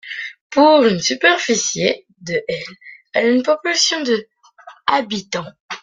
Pour une superficie de elle a une population de habitants.